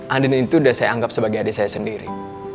andin itu sudah saya anggap sebagai adik saya sendiri